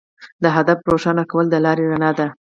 د هدف روښانه کول د لارې رڼا ده.